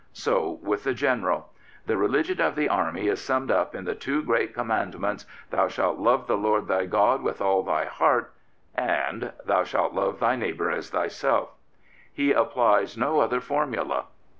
So with the General. " The religion of the Army is summed up in the two great Com mandments, ' Thou shalt love the Lord thy God with all thy heart,' and ' Thou shalt love thy neighbour as thyself.' " He applies no other formula.